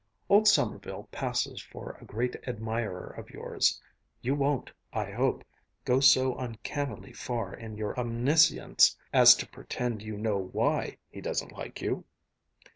Old Sommerville passes for a great admirer of yours. You won't, I hope, go so uncannily far in your omniscience as to pretend to know why he doesn't like you?"